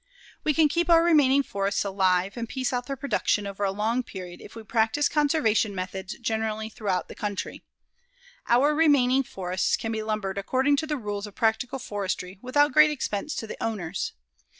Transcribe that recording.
We can keep our remaining forests alive and piece out their production over a long period if we practice conservation methods generally throughout the country. Our remaining forests can be lumbered according to the rules of practical forestry without great expense to the owners.